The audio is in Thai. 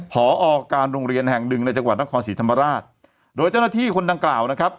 พอการโรงเรียนแห่งหนึ่งในจังหวัดนครศรีธรรมราชโดยเจ้าหน้าที่คนดังกล่าวนะครับ